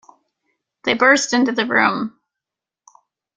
They burst into the room.